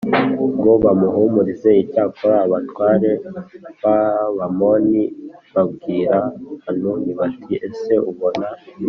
ngo bamuhumurize Icyakora abatware b Abamoni babwira Hanuni bati ese ubona